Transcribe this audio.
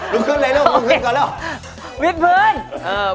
วิทย์พื้นเลยลูกวิทย์พื้นก่อนแล้ว